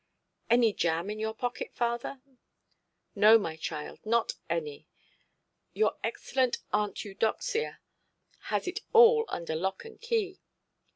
"Any jam in your pocket, father"? "No, my child, not any. Your excellent Aunt Eudoxia has it all under lock and key.